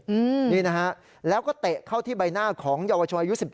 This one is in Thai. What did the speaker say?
อืมนี่นะฮะแล้วก็เตะเข้าที่ใบหน้าของเยาวชนอายุสิบเจ็ด